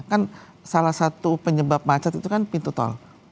kan salah satu penyebab macet itu kan pintu tol